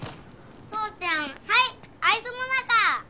父ちゃんはいアイスモナカ。